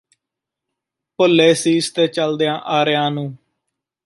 ਭੁੱਲੇ ਸੀਸ ਤੇ ਚੱਲਦਿਆਂ ਆਰਿਆਂ ਨੂੰ